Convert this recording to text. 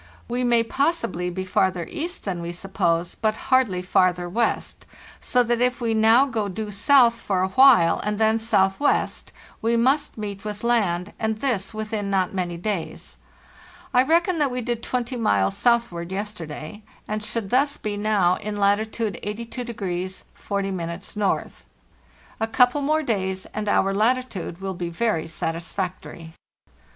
We may possibly be farther east than we suppose, but hardly farther west, so that if we now go due south for a while, and then southwest, we must meet with land, and this within not many days. I reckon that we did 20 miles southward yesterday, and should thus be now in A HARD STRUGGLE 225 latitude 82° 40 N. A couple more days, and our lati tude will be very satisfactory.